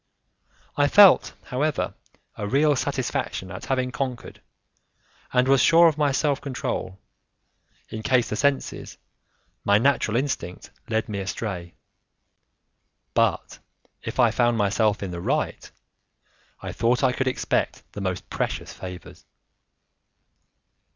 I felt, however, a real satisfaction at having conquered, and was sure of my self control, in case the senses, my natural instinct, led me astray. But if I found myself in the right, I thought I could expect the most precious favours.